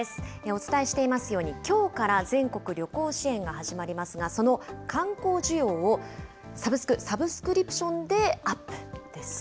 お伝えしていますように、きょうから全国旅行支援が始まりますが、その観光需要をサブスク、サブスクリプションでアップです。